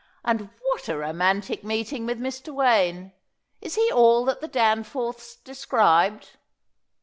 "And what a romantic meeting with Mr. Wayne! Is he all that the Danforths described?"